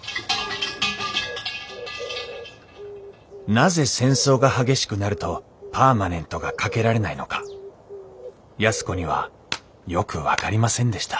なぜ戦争が激しくなるとパーマネントがかけられないのか安子にはよく分かりませんでした